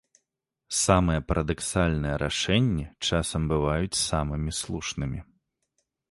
Самыя парадаксальныя рашэнні часам бываюць самымі слушнымі.